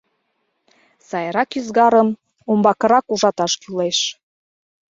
Сайрак ӱзгарым умбакырак ужаташ кӱлеш.